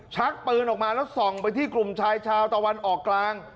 ชักปืนออกมาแล้วส่องไปที่กลุ่มชายชาวตะวันออกกลาง